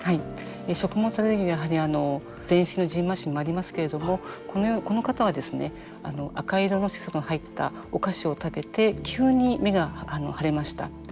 食物アレルギーはやはり全身のじんましんもありますけれどもこの方はですね、赤色の色素の入ったお菓子を食べて急に目が腫れました。